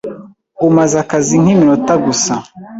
Umaze akazi nkiminota gusa.